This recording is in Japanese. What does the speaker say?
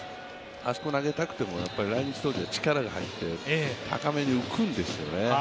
あそこ投げたくても来日当初は力が入って高めに浮くんですよね。